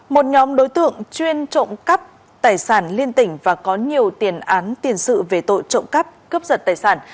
một nhóm đối tượng chuyên trộm cắp tài sản liên tỉnh và có nhiều tiền án tiền sự về tội trộm cắp cướp giật tài sản